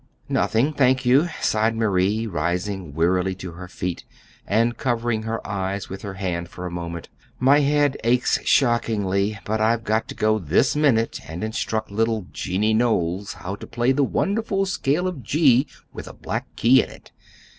"Nothing, thank you," sighed Marie, rising wearily to her feet, and covering her eyes with her hand for a moment. "My head aches shockingly, but I've got to go this minute and instruct little Jennie Knowls how to play the wonderful scale of G with a black key in it.